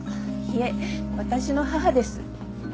いえ私の母です。